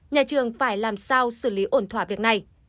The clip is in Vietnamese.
nhà trường phải làm sao xử lý ổn thỏa việc này